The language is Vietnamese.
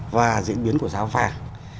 và diễn biến của giá vàng